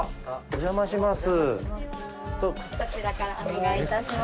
お邪魔します。